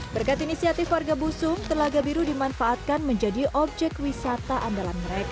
berkat inisiatif warga busung telaga biru dimanfaatkan menjadi objek wisata andalan mereka